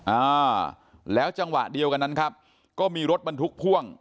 อ่าแล้วจังหวะเดียวกันนั้นครับก็มีรถบรรทุกพ่วง